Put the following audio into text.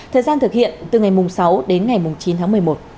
thời gian thực hiện từ ngày sáu đến ngày chín tháng một mươi một